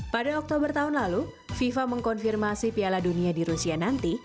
pada oktober tahun lalu fifa mengkonfirmasi piala dunia di rusia nanti